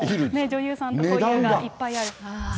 女優さんと交遊がいっぱいあるから。